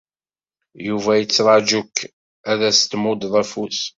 Yuba yettraǧu-k ad as-d-muddeḍ afus.